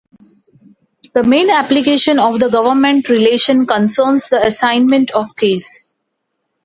The main application of the "government" relation concerns the assignment of case.